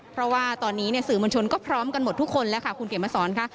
เพราะว่าตอนนี้สื่อมวลชนก็พร้อมกันหมดทุกคนแล้วค่ะคุณเขียนมาสอนค่ะ